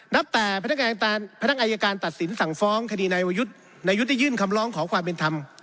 นับแต่พนักงานอายการตัดสินสั่งฟ้องคดีนายวรยุทธ์นายุทธ์ได้ยื่นคำร้องขอความเป็นธรรม